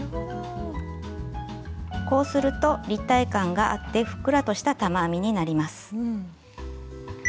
こうすると立体感があってふっくらとした玉編みになります。